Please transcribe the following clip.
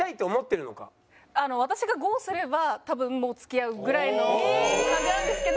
私がゴーすれば多分もう付き合うぐらいの感じなんですけど。